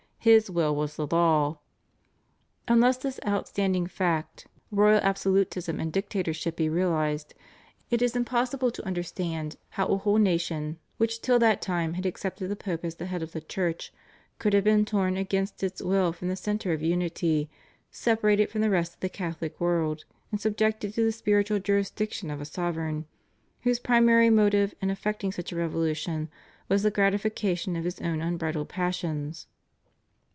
His will was the law. Unless this outstanding fact, royal absolutism and dictatorship be realised, it is impossible to understand how a whole nation, which till that time had accepted the Pope as the Head of the Church, could have been torn against its will from the centre of unity, separated from the rest of the Catholic world, and subjected to the spiritual jurisdiction of a sovereign, whose primary motive in effecting such a revolution was the gratification of his own unbridled passions.